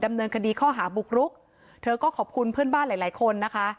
เนินคดีข้อหาบุกรุกเธอก็ขอบคุณเพื่อนบ้านหลายหลายคนนะคะ